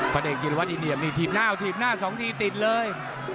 พระเด็กจิลวัฒน์อินเดียมทีบหน้า๒ทีติดเลย